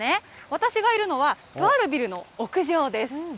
私がいるのは、とあるビルの屋上です。